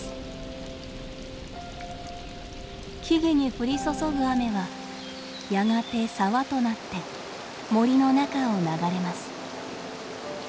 木々に降り注ぐ雨はやがて沢となって森の中を流れます。